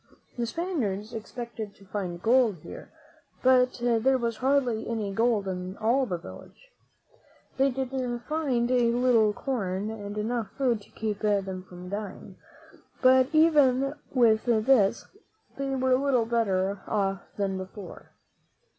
The Spaniards expected to find gold here, but there was hardly any gold in all the village. They did find a little corn and enough food to keep them from dying; but even with this they were little better off than before.